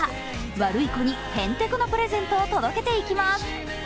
悪い子にへんてこなプレゼントを届けていきます。